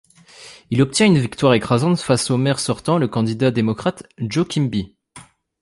Il obtient une victoire écrasante face au maire sortant, le candidat démocrate, Joe Quimby.